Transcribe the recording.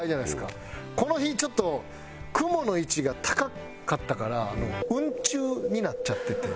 この日ちょっと雲の位置が高かったから雲中になっちゃってて。